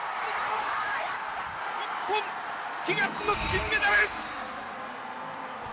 日本、悲願の金メダル！